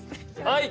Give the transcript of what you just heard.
はい！